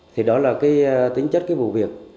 thì đó là tính chất vụ việc